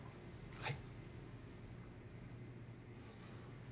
はい。